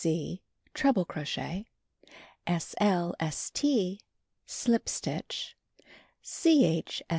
c. treble crochet sl.st. slip stitch ch.